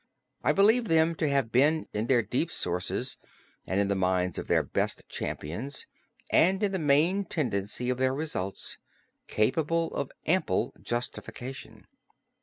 I believe them to have been in their deep sources, and in the minds of their best champions, and in the main tendency of their results, capable of ample justification.